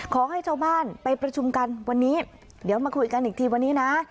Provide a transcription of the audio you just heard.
ขอให้ชาวบ้านไปประชุมกันวันนี้เดี๋ยวมาคุยกันอีกทีวันนี้นะ